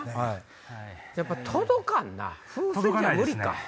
やっぱ届かんな風船じゃ無理か。